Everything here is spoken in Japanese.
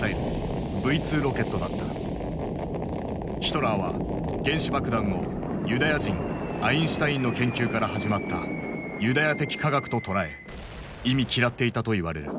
ヒトラーは原子爆弾をユダヤ人アインシュタインの研究から始まった「ユダヤ的科学」と捉え忌み嫌っていたと言われる。